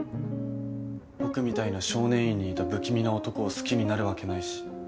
僕みたいな少年院にいた不気味な男を好きになるわけないし。